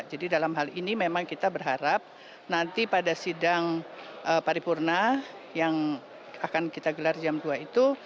dalam hal ini memang kita berharap nanti pada sidang paripurna yang akan kita gelar jam dua itu